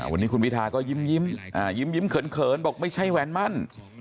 วันนี้คุณพิทาก็ยิ้มยิ้มเขินบอกไม่ใช่แวนมั่น